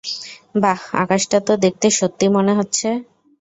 বাহ, আকাশটা তো দেখতে সত্যি মনে হচ্ছে!